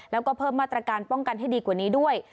แล้วก็เพิ่มมาตรการป้องกันให้ดีกว่านี้ด้วย